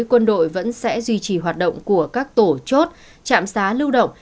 quân đội vẫn sẽ duy trì hoạt động của các tổ chốt trạm xá lưu động